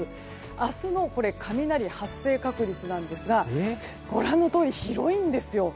明日の雷発生確率ですがご覧のとおり広いんですよ。